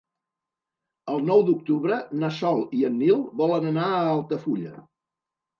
El nou d'octubre na Sol i en Nil volen anar a Altafulla.